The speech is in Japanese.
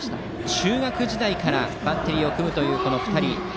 中学時代からバッテリーを組むこの２人。